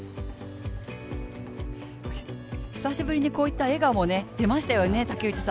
久しぶりにこういった笑顔も出ましたよね。